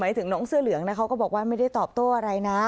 ถึงน้องเสื้อเหลืองนะเขาก็บอกว่าไม่ได้ตอบโต้อะไรนะ